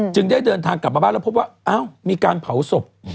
ได้เดินทางกลับมาบ้านแล้วพบว่าอ้าวมีการเผาศพ